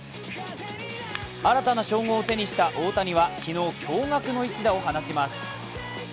新たな称号を手にした大谷は昨日、驚がくの一打を放ちます。